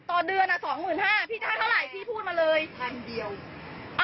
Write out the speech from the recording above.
โอ้ยมันต้องมาไลค์แล้วอ่าไม่ไลค์ค่ะแต่ดูได้เลยว่านี่นะค่ะ